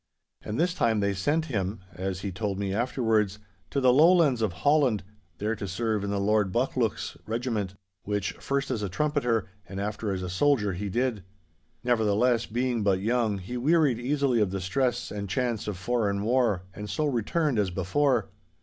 And this time they sent him (as he told me afterwards) to the Lowlands of Holland, there to serve in the Lord Buccleuch's regiment, which, first as a trumpeter and after as a soldier, he did. Nevertheless, being but young, he wearied easily of the stress and chance of foreign war, and so returned as before.